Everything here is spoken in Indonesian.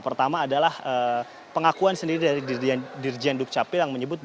pertama adalah pengakuan sendiri dari dirjen dukcapil yang menyebut